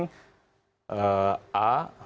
kalau kita ranking